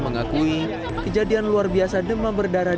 mengakui kejadian luar biasa demam berdarah